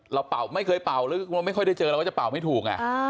เราเป่าไม่เคยเป่าไม่ค่อยได้เจอเราก็จะเป่าไม่ถูก